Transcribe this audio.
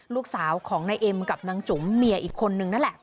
ลูกสาวของนายเอ็มกับนางจุ๋มเมียอีกคนนึงนั่นแหละ